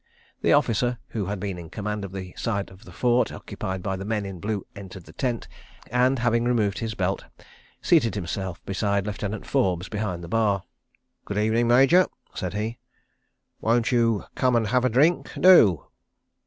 The officer who had been in command of the side of the fort occupied by the men in blue entered the tent and, having removed his belt, seated himself beside Lieutenant Forbes, behind the bar. "Good evening, Major," said he; "won't you come and have a drink? ... Do!"